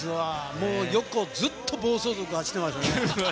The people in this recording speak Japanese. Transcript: もう横、ずっと暴走族が走ってましたね。